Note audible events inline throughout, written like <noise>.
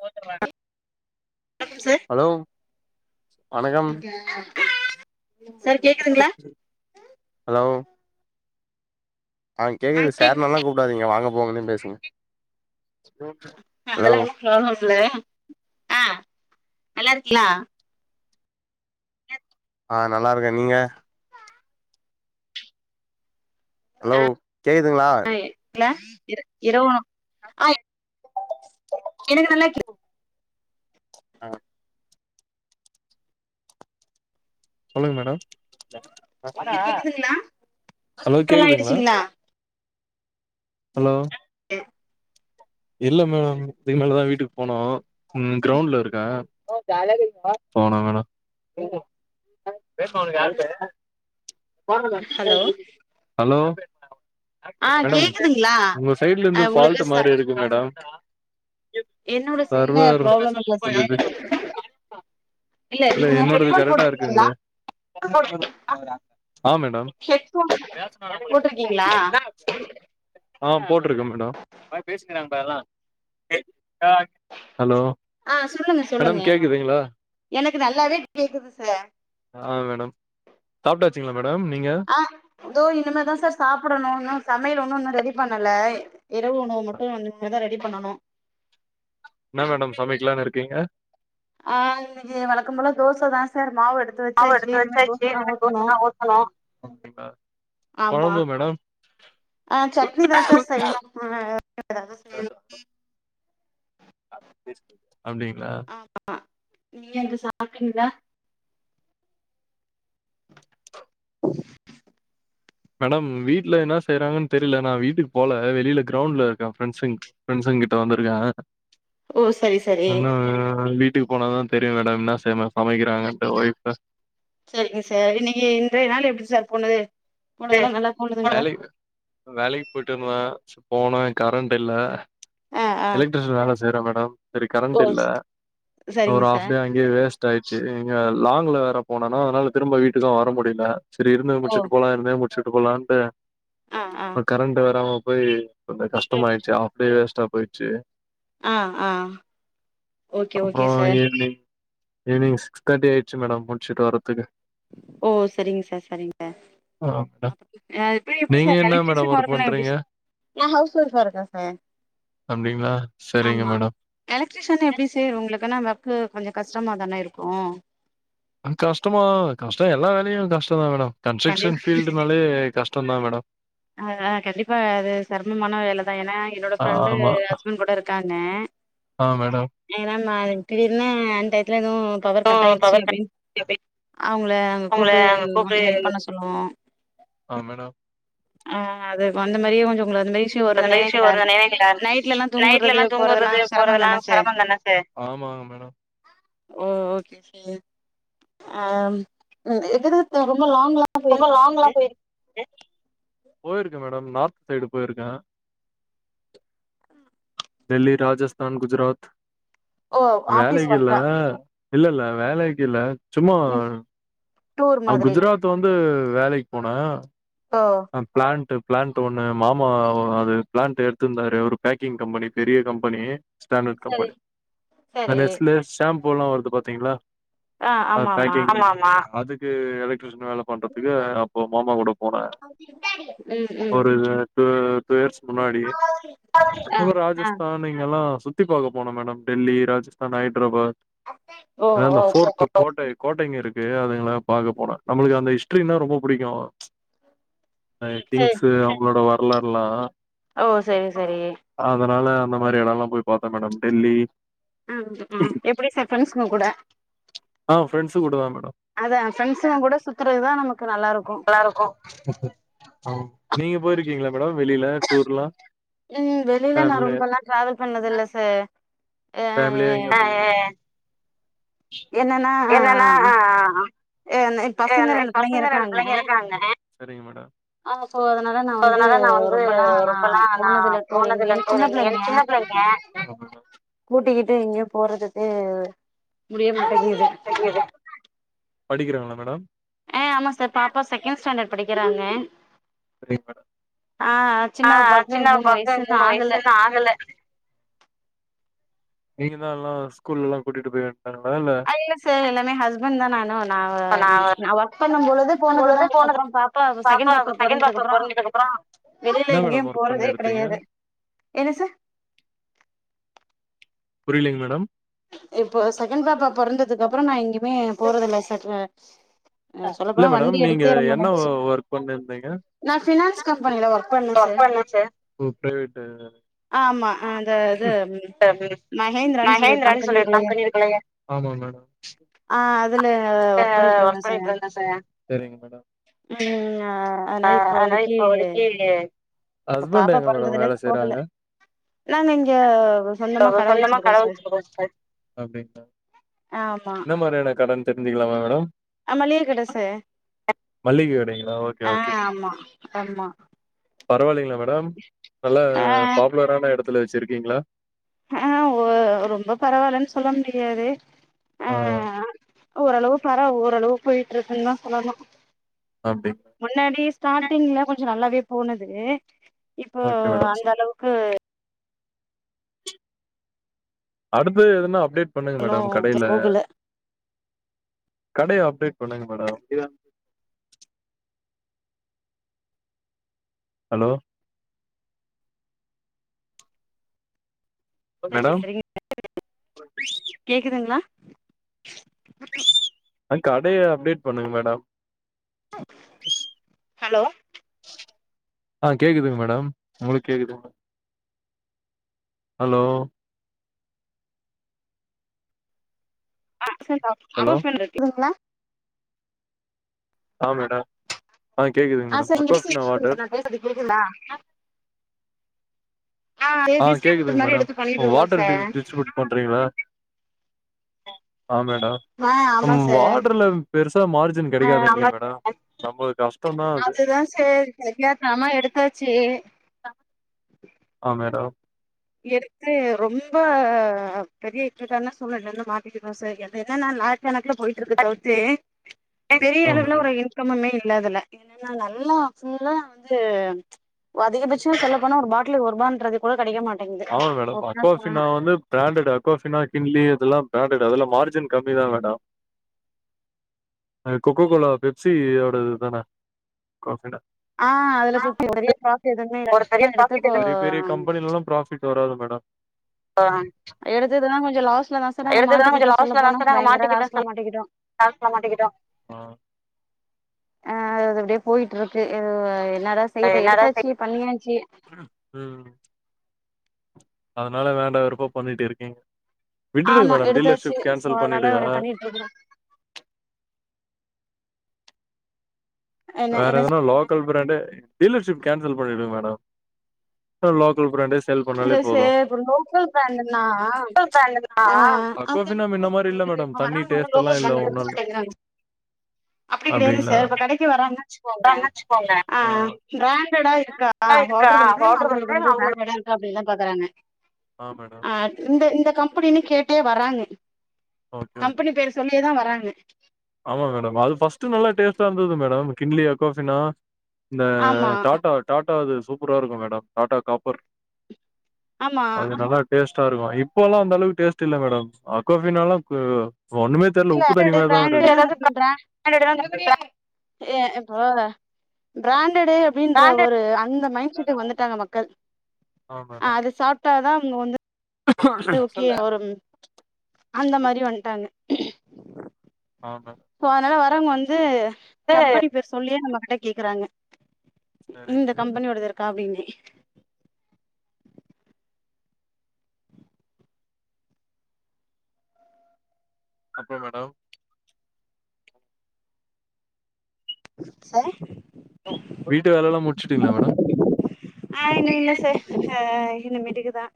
கேக்குது வணக் sir hello வணக்கம் சார் கேக்குதுங்களா ஹலோ ஆ கேகுது சார் நெல்லா கூப்டாதீங்க வாங்க போங்கனே பேசுங்க ஹலோ <unintelligible> ஆ நல்லா இருக்கீங்களா ஆ நல்லா இருக்க நீங்க ஹலோ கேக்குதா இல்ல இர் இரவு ஆ எனக்கு நல்லா கே ஆ சொல்லுங்க மேடம் உங்களுக்கு கேக்குதுங்களா ஹலோ எல்லா கேக்குதுங்களா ஆயிடுச்சுங்களா ஹலோ அ இல்ல மேடம் துகு மேலதா வீட்டுக்கு போனோ ம் க்ரௌண்ட்ல இருக்க போனா வேணா ஹலோ ஹலோ ஆ மேடம் கேக்குதுங்களா ஒங்க சைட்ல இருந்து ஆ உங்களுக்கு பாஃல்ட் ச மாரி இருக்கு மேடம் என்னோட சைட்ல பரவா ப்ராப்ளம் இல்ல சார் இல்ல நீங்க என்னோட ய ஹெட்ஃபோன் கரெக்டா போட்ருக்கீங்களா இருக்குங்ளே ஆ மேடம் ஹெட்ஃபோன் போட்ருக்கீங்களா ஆ போட்ருக்க மேடம் ஹலோ ஆ சொல்லுங்க மேடம் சொல்லுங்க கேக்குதுங்களா எனக்கு நல்லாவே கேக்குது சார் ஆ மேடம் சாப்ட்டாச்சிங்களா மேடம் நீங்க ஆ தோ இனிமதா சார் சாப்படணு இன்னு சமையல் ஒன்னு இன்னு ரெடி பண்ணல இரவு உணவு மட்டு வந்து இனிமேதா ரெடி பண்ணணு என்ன மேடம் சமைக்கலான் இருக்கீங்க ஆ இன்னைக்கு வழக்கம்போல தோச தா சார் மாவு எடு மாவு எடுத்து வச்சாச்சு இனிம தோசதா ஊத்தணு அப்டியா ஆமா கொழம்பு மேடம் ஆ சட்னி தா சார் செய்யணு அ எதாது செய்யணு அப்டிங்களா ஆமா நீங்க அங்க சாப்ட்டீங்ளா மேடம் வீட்ல என்னா செய்றாங்கன் தெரியில நா வீட்டுக்கு போல வெளியில க்ரௌண்ட்ல இருக்க ஃப்ரெண்ட்ஸுங் ஃப்ரெண்ட்ஸுங்கிட்ட வந்துருக்க ஓ சரி சரி இன்னோ வீட் ட்டுகு போனாதா தெரியு மேடம் என்ன செய்மா சமைக்கிறாங்கண்ட்டு ஒய்ஃப் சரிங்க சார் இன்னைக்கி இன்றைய நாளு எப்டி சார் போனது து போனதெல்லா நல்லா போனதுங்களா வேலைக் வேலைக்கு போயிட்டுருந்த போனா கரண்ட் இல்ல ஆ ஆ எலக்ட்ரிஷன் வேல செய்ற மேடம் சரி கரண்ட் ஓ இல்ல ஸ்- ஒரு சரிங்க சார் ஆஃப்டே அங் இங்யே வேஸ்ட் ஆயிடுச்சு இங்க லாங்ல வேற போனனா அதனால திரும்ப வீட்டுக்க வர முடில செரி இருந்தே ஓ முடிச்சுட்டு போலா இருந்தே முடிச்சுட்டு போலான்ட்டு ஆ ஆ கரண்ட் வராம போய் கொஞ்ச கஷ்டமாயிடுச்சு ஆஃப்டே வேஸ்ட்டா போயிச்சு ஆ ஆ ஓகே ஓகே அப்புறம் sir evening evening six thirty ஆயிடுச்சு மேடம் முடிச்சிட்டு வரதுக்கு ஓ சரிங்க சார் சரிங்க ஆ மேடம் ஆ இப்ப எப்டி நீங்க சார் என்ன மேடம் எலக்ட்ரிஷன் ஒர்க் ஒர்க்குனா எப்டி பண்றீங்க நா ஹவுஸ் ஒய்ஃப் ஆ இருக்கே சார் அப்டிங்களா சரிங்க மேடம் எலக்ட்ரிஷன்னா எப்டி சார் உங்களுக்குனா ஒர்க்கு கொஞ்ச கஷ்டமா தானே இருக்கோ கஷ்டமா கஷ்ட எல்லா வேலையு கஷ்டந்தா மேடம் கண்டிப் கன்ஸ்ட்ரக்ஷன் ஃபீல்டுனாலே கஷ்டந்தா மேடம் ஆ அ கண்டிப்பா அது சிரமமான வேலை தா ஏன்னா என்னோட ஃப்ரெண்டு ஆமா ஹஸ்பண்ட் கூட இருக்காங்க ஆ மேடம் ஏன்னா நா திடீர்னு அன்டைத்துல எதுவு பவர் கட் ஆயிடுச்சு பவர் அப்டின்னு கட் அவுங்கள அங்க உங்கள கூப்டு அங்க கொஞ்ச கூப்டு ஹெல்ப் பண்ண சொல்லுவோ ஆ மேடம் ஆ அது வந்த மாரியே கொஞ்ச உங்கள அது மாரியே ஒரு ப்ளீஸ் நெலையில இல்ல நைட்ல எல்லா தூங்குறது நைட்லல்லா தூங்குறது போறதெல்லாம் சிரமம் போறதெல்லா தானே சார் சிரமந்தான சார் ஆமாங்க மேடம் ஓ ஓகே சார் ஆ எதிர்த்தல்லா ரொம்ப லாங்கெல்லா போயிருக்கே மேடம் நார்த் சைடு போயிருக்கே டெல்லி ராஜஸ்தான் குஜராத் ஓ ஆபீஸ் வேலைக்கில்ல ஒர்க்கா இல்ல இல்ல வேலைக்கி இல்ல சும்மா ம் டூர் அ மாதிரி குஜராத் வந்து வேலைக்கி போனே ஓ பிளான்ட் பிளான்ட் ஒன்னு மாமா அது பிளான்ட் எடுத்துருந்தாரு ஒரு பேக்கிங் கம்பெனி பெரிய கம்பெனி ஸ்டாண்டர்ட் சரி கம்பெனி அந்த சரி நெஸ்லே ஷாம்பூல்லா வருது பாத்தீங்களா ஆ அது ஆமா ஆமா பேக்குங் அதுக்கு எலக்ட்ரீசீயன் வேல பண்றதுக்கு அப்போ மாமா கூட போன ம் ம் த டூ இயர்ஸ் முன்னாடி ஆ ஆ ராஜஸ்தான் நீங்க எல்லா சுத்தி பாக்க போன மேடம் டெல்லி ராஜஸ்தான் ஹைதராபாத் ஓ இல்ல ஓ இல்ல சரி பேர்ட்டு கோட்டை கோட்டைங்க இருக்கு அதுங்கால பாக்க போன நம்மளுக்கு அந்த ஹிஸ்டரின்னா ரொம்ப புடிக்கு அ சரி கிங்ஸு அவங்களோட வரலாறுலா ஓ செரி செரி அதனால அந்த மாரி எடம்ல்லா போய் பாத்தே மேடம் டெல்லி ம் ம் எப்டி சார் ஃப்ரெண்ட்ஸ்க்கு கூட ஆ ஃப்ரண்ட்ஸு கூடதா மேடம் அதா ஃப்ரெண்ட்ஸும் கூட சுத்துறது தா நமக்கு நல்லா இருக்கு நீங்க போயிருக்கீங்களா மேடம் வெளியில டூர்ல்லா ம் வெளியில நா ரொம்பல்லாம் டிராவல் பண்ணது இல்லை சார் அ ஃபேமிலியா எங்கயா போயிருக்கீங் என்னன்னா ஆ எனக் எனக் பசங்க ரெண்டு பிள்ளைங்க இருக்காங்க ஆ சோ அதனால நா வந்து அதனால நா வந்து ரொம்பல்லா நா ரொபல்லா நா போனதுல டூர் போனதில்ல எங்கயு டூர் சின்ன பிள்ளைங்க எங்கையு சின்ன பிள்ளைங்க கூட்டிக்கிட்டு எங்கயோ போறதுக்கு முடிய மாட்டேங்கிது படிக்கிறாங்களா மேடம் ஆ ஆமா சார் பாப்பா செகண்ட் ஸ்டாண்டர்ட் படிக்கிறாங்க சரிங்க மேடம் ஆ ஆ சின்னப்பாக்கு சின்ன மூணு பாப்பாக்கு வயசுன்னு மூணு ஆகல வயசு இன்னு ஆகல நீங்க தா எல்லா ஸ்கூல்ல எல்லா கூட்டிட்டு போய் அத்னால அது இல்ல சார் எல்லா ஏ ஹஸ்பண்ட் தா நானும் நா மிஸ் நா ஒர்க் பண்ணூம் பொழுதே இருக்கும் போனதுதா பொழுது போனது அப்புறோ பாப்பா செகண்ட் பாப்பா பாப்பா பொறந்ததுக்குப்புறோ பொறந்ததுக்கு அப்புறோ வெளியில என்ன எங்கேயூ மேடம் ஒர்க் போறதே பண்ணி இருந்தீங்க கிடையாது என்ன சார் புரிலைங் மேடம் இப்போ செகண்ட் பாப்பா பொறந்ததுக்கு அப்புறோ நா எங்கயுமே போறதில்ல சட்னு இல்ல மேடம் நீங்க என்ன நாளாயிடுச்சு ஒர்க் பண்ட்டிருந்தீங்க நா ஃபினான்ஸ் கம்பெனில ஒர்க் பண்ணே சார் ஓ பிரைவேட்டு ஆமா அ தெ இது மகேந்திரான் சொல்லிட் ந்திரா சொல்லி கம்பெனி இருக்கு இங்க அ ஆ அதுல அங்க ஒர்க் பண்ணிட்டு இருந்தே சார் ம் ஆ ஆனா ஆ அதனால இப்போதைக்கு இப்ப ஹஸ்பண்ட் பாப்பா எங்க மேடம் பொறந்ததுல வேல இருந்து போவ் முட்ல செய்றாங்க நாங் இங் இங்க ஒரு சொந்தமா கட வச்சின்ருக்கோ சார் வச்சிருக்கோ சார் அப்டிங்களா ஆமா என்ன மாதிரியான கடன்னு தெரிஞ்சுக்கலாமா மேடம் ஆ மளிய கட சார் மல்லிகை கடைங்களா? ஆ ஆம்மா ஆம்மா பரவாயில்லங்களா மேடம் நல்லா ஆ பாப்புலரான எடத்துல வச்சுருக்கீங்களா ஆ வோ ரொம்ப பரவாயில்லன்னு சொல்ல முடியாது அ அ ஓரளவு பரவா ஓரளவுக்கு போயிட்டு இருக்குன்னதா சொல்லணூ ஆப்டி முன்னாடி ஸ்டாடிங்ல கொஞ்சோ நல்லாவே போனது இப்போ ஓகே மேடம். அந்த சூப் அளவுக்கு அடுத்தது எதுனா அப்டேட் பண்ணுங்க இன்னு மேடம் கடயில போகல கடய அப்டேட் பண்ணுங்க மேடம் இல் ஹலோ செரி மேடம், செரிங்க கத்து குடுங்க கேக்குதுங்களா <inaudible> ஆ கடய அப்டேட் பண்ணுங்க மேடம் <inaudible> ஹலோ ஆ கேக்குதுங்க மேடம் உங்களுக்கு கேக்குதுங்ளா ஹலோ அ <inaudible> ஹலோ. அடோஃபில்ல இருக்கீங்களா ஆ மேடம் ஆ கேட்குதுங்க ஆ மேடம் சார் நீங்க பேசுறது அக்கோஃபினா கேக்குது வாட்டர் சார் நா பேசுறது கேக்குதுங்ளா ஆ டிஸ்ட்ரிபியூட்டர் கேக்குதுங்க மாரி மேடம் எடுத்து ஓ பண்ணிட்டு இருந்தோ வாட்டர் சார் டிஸ்ட் டிஸ்டரிபியூட் பண்றீங்களா ஆ மேடம் ஆ ஆமா அம் சார் வாட்டர்ல பெருசா மார்ஜின் ஆ கிடைக்காதுங்ளோ மேடம் அம்பது காஸ் அதுதா செரி தெரியாத்தனமா எடுத்தாச்சு ஆ ஆ மேடம் எடுத்து ரொம்ப பெரிய இக்கட்டான சூழ்ல இருந்து மாட்டிக்கிட்டோ சார் என்ன என்னன்னா <unintelligible> கணக்குல போயிட்டு இருக்க தோவுர்த்து பெரிய ஆ அளவுல மேடம் ஒரு இன் கம்மே இல்லாததுல்ல என்னன்னா நல்லா புல்லா வந்து ஓ அதிகபச்சோ சொல்லப்போனா ஒரு பாட்டிலுக்கு ஒரு ரூபான்றது கூட கெடைக்க மாட் ஆமா மேடம் அக்வாஃபினா வந்து பிராண்டடு அக்வாஃபினா கின்லி இதெல்லா பிராண்டடு அதெல்லா மார்ஜின் கம்மி தா மேடோ கொக்கோ கோலா பெப்சி அதோடது தானே காவ் பிரண்டா ஆ அதுல சுத்தி <unintelligible> பாத்து எதுவுமே ஒரு சும்ம எடுத்துப்போ அம் திருப்பி வராது மேடோ எடுத்தது நா கொஞ்ச லாஸ்ட்ல தா சர நாங்க கொஞ்சோ மாட்டிக்கிட்டோ சொல்ல போன பயங்கர லாஸ்ட்ல மாட்டிக்கிட்டோ லாஸ்ட்ல மாட்டிக்கிட்டோ ஆ அது அப்டியே போயிட்டு இருக்கு <unintelligible> என்னடாஸ் என்னடா <unintelligible> அதனால வேண்டா வெறுப்பா பண்ணிட்டு இருக்கீங்க விட்டுருங்க ஆமா மேடம் எடுத்தாச்சு டீலர்ஷிப் சோ கேன்சல் அதனால பண்ணிடுங்க அ <unintelligible> என்ன வேற என்ன எததுனா லோக் லோக்கல் பிராண்டே டீலர்ஷிப் கேன்சல் பண்ணடுங்க மேடம் லோக்கல் பிராண்டேஸ் இல்ல சே <unintelligible> லோக்கல் பிராண்டுனா லோக்கல் பிராண்டுனா அ அந்த அக்வாஃபினா மின்ன மாரி இல்ல மேடம் <inaudible> தண்ணி வராறங்க டேஸ்ட்டெல்லா லோக்கல் இல்ல பிராண்டே எடுக்க ஒன்னு இல்ல மாட்டே இருக்கிறாங்க அப்டி கெடையாது அப்டிங்களா சார் இப்ப கடைக்கு வராங்க வச்சிக்கோங்க வச்சுக்கோங்க ஆ பிராண்டா இருக்காத இருக்கா ஹோட்டர் வந்து பவுடர் அவங்களுக்கு வந்து அவங்களுக்கு பிராண்டடா இரு அப்டிதா பாக்குறாங்க ஆ மேடம் அட் இந்த இந்த கம்பெனின்னு கேட்டே வராங்க ஓகே ஓகே கம்பெனி பேரு சொல்லியேதா வராங்க ஆமா மேடம் அது ஃபர்ஸ்ட் நல்லா டேஸ்ட்டா இருந்தது மேடம் கிண்டலி அக்வாஃபினா இந்த ஆமா டாடா டாடா அது சூப்பரா இருக்கு மேடம் டாடா காப்பர் ஆமா அது நல்ல டேஸ்ட்டா இருக்கு இப்போல்லா அந்த அளவுக்கு டேஸ்ட் இல்ல மேடம் அக்வாஃபீனாலா <unintelligible> ஒன்னுமே தெர்ல இல்ல உப்பு தண்ணி மாரி தா பிராண்டடுனா வருது ஏ இப்போ பிராண்டடு அப்டின்ற பிராண்டட் ஒரு அந்த மைண்ட் செட்டுக்கு வந்துட்டாங்க மக்கள் ஆ மேடம் அது சாப்டா தா அவங்க வந்து ஓகே யா ஒரும் அந்த மாரி வந்டாங்க ஆஹ சோ அதனால வரவங்க வந்து கம்பெனி பேர் சொல்லியே நம்ம கிட்ட கேக்கறாங்க சரிங்க இந்த கம்பெனியோடது இருக்கா அப்டின்னு அப்றோ மேடம் ச வீட்டு வேலல்லா முடிச்சிட்டீங்ளா மேடம் ஆ இன்னு இல்ல சார் ஆ இனுமேட்டுக்கு தா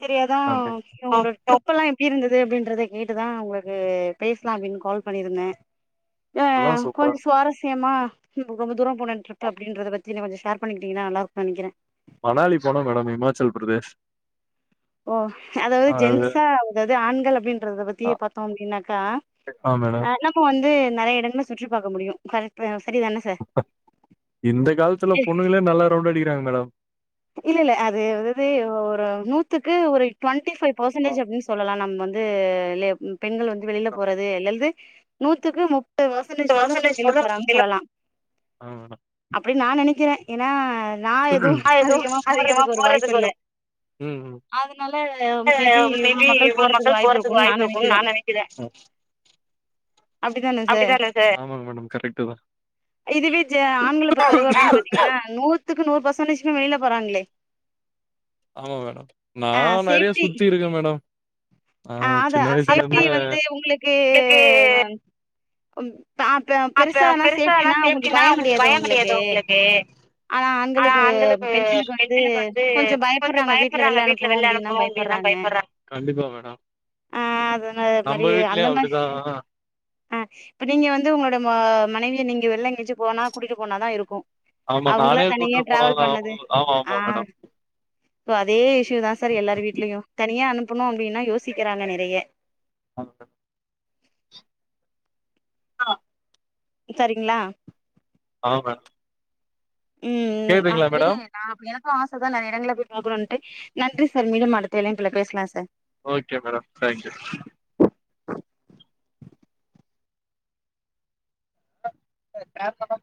செரி அதா அப்டி இவ்ளோட ட்ரிப் எல்லா எப் டி இருந்தது அப்டின்றத கேட்டுதா உங்களுக்கு பேசலா அப்டி கால் பண்ணிருந்த ஆ எல்லா சூப்பரா கொஞ்ச இருந்தது சுவாரஸ்யமா ம் ரொம்ப தூரோ போன ட்ரிப் அப்டின்றத பத்தி நீ கொஞ்ச ஷேர் பண்ணிக்கிட்டிங்கனா நல்லாருப்ப நெனக்கிற மணாலி போன மேடம் இமாச்சல் பிரதேஷ் ஓ அதாவது அது ஜென்ஸா அதாவது ஆண்கள் அப்டின்றத பத்தி பாத்தோ அப்டின்னாக்கா ஆ மேடம் ப்போ வந்து நெறைய எடம்ல சுற்றி பாக்க முடியும் கரெக் இப்ப சரி தானே சார் இந்த காலத்துல பொண்ணுங்களே நல்லா ரவுண்ட் அடிக்றாங்க மேடம் இல்ல இல்ல அது அது ஒரு நூத்துக்கு ஒரு டுவெண்ட்டிஃபைவ் பெர்சன்டேஜ் அப்டின் சொல்லலா நம்ம வந்து து லே பெண்கள் வந்து வெளில போறது அல்லது நூத்துக்கு முப்பது வச பர்சென்டேஜ் பொண்ணுங்க பர்சன்டேஜ் வெளில சொல்ல போறாங்கான்னு முடில சொல்லலா ஆனா அப்டி நா நெனைக்கிறே ஏன்னா நா எதுவு நா எதும் அதிகமா ஒரு வாய்ப்பு போறதுக்கு இல்ல வரும் ம் அதனால மேபி இவ்வளோ மக்கள் போறதுக்கு வாய்ப்பு இருக்கும்னு நா நெனைக்கிறே அப்டிதான சார் ஆமா மேடம் கரெக்ட் தா இதுவே ஜ ஆண்கள பொறுத்தளவு அப்டின்னு பாத்தீங்கன்னா நூத் நூத்துக்கு நூறு பர்சன்டேஜ்மே வெளில போறாங்ளே ஆமா மேடம் நா நெறைய சுத்திருக்கே மேடம் ஆ அ சின்ன அதான் வயசுல சேஃப்ட்டி இருந்து வந்து உங்களுக்கு உங்களுக்கு பா ப அப்ப பெருசானா பெருசா ஆனா சேஃப்டினா கொஞ்ச பயம் உங்களுக்கு கெடையாது ஒங்களுக்கு உங்களுக்கு ஆனா ஆண்களுக்கு பெண்களுக்கு வந்து கொஞ்சோ பயப்பட்றாங்க வீட்ல வெள்ள அனுப்பனு வெளில அப்டின்னா அனுப்பணு பயப்படுறாங்க பயப்பட்றாங்க கண்டிப்பா மேடம் அ அதனா அது மாரி நம்ம அந்த வீட்லயு மாரி அப்டிதா அ இப்ப நீங்க வந்து உங்களோட மனைவிய நீங்க வெளில எங்காச்சு போனா கூட்டிட்டு போனாதா இருக்கு ஆமா அவங்களா நானே தனியா கூட்டு டிராவல் போனாதா பண்ணது அவங்கள. அ ஆமா ஆமா மேடம் ஸோ அதே இஷ்யூ தா சார் எல்லார் வீட்லயு தனியா அனுப்பணும் அப்டின்னா யோசிக்கிறாங்க நெறைய <unintelligible> அ சரிங்ளா ஆமா மேம் ம் ம் அதனாலயே மேடம் நான் அப்ப எனக்கு ஆச தான நா எடங்கள போய் பாக்கணுன்ட்டு நன்றி சார் மீண்டு அடுத்த இனைப்புல பேசலா sir okay madam thank you <unintelligible>